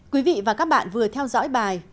quý vị và các bạn vừa theo dõi bài